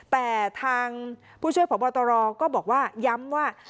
แต่ทางผู้ช่วยพบตรก็บอกว่าย้ำว่า